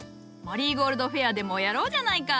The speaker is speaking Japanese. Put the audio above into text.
マリーゴールドフェアでもやろうじゃないか。